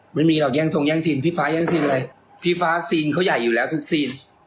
ไม่มีหรอกแย่งทรงแย่งซีนพี่ฟ้าแย่งซีนเลยพี่ฟ้าซีนเขาใหญ่อยู่แล้วทุกซีน